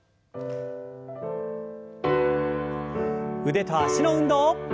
腕と脚の運動。